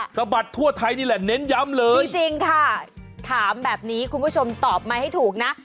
สะบัดทั่วไทยนี่แหละเน้นย้ำเลยจริงค่ะถามแบบนี้คุณผู้ชมตอบมาให้ถูกนะ